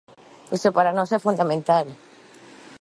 Iso para nós é fundamental.